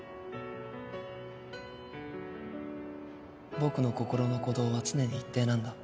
僕の心の鼓動は常に一定なんだ。